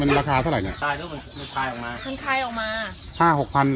มันราคาเท่าไรเนี่ยตายด้วยมันมันคลายออกมาคลายออกมาห้าหกพันธุ์หรอ